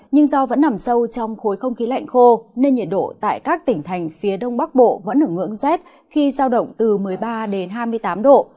nhưng do vẫn nằm sâu trong khối không khí lạnh khô nên nhiệt độ tại các tỉnh thành phía đông bắc bộ vẫn ở ngưỡng rét khi giao động từ một mươi ba đến hai mươi tám độ